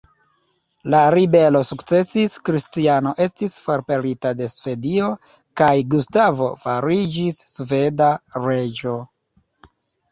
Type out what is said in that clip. La ribelo sukcesis, Kristiano estis forpelita de Svedio, kaj Gustavo fariĝis sveda reĝo.